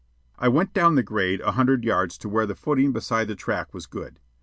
I went down the grade a hundred yards to where the footing beside the track was good.